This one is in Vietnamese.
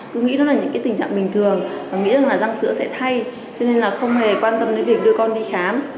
cứ nghĩ nó là những tình trạng bình thường và nghĩ rằng răng sữa sẽ thay cho nên là không hề quan tâm đến việc đưa con đi khám